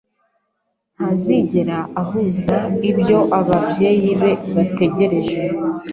Ntazigera ahuza ibyo ababyeyi be bategereje.